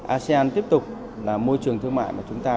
asean tiếp tục là môi trường thương mại mà chúng ta